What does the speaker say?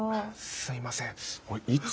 すいませんいつ。